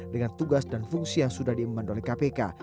dengan tugas dan fungsi yang sudah diimban oleh kpk